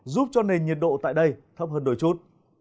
giúp cho nền nhiệt độ tại đây thấp hơn đôi chút